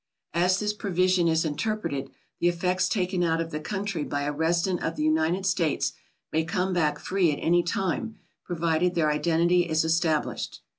As this provision is interpreted, the effects taken out of the country by a resident of the United States may come back free at any time, provided their identity is establisihed.